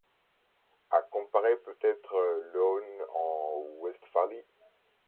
A comparer peut-être avec Löhne en Westphalie.